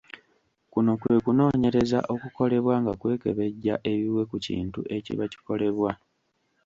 Kuno kwe kunoonyereza okukolebwa nga kwekebejja ebiwe ku kintu ekiba kikolebwa.